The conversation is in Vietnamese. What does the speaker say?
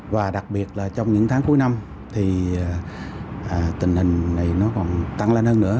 và đặc biệt là trong những tháng cuối năm thì tình hình này nó còn tăng lên hơn nữa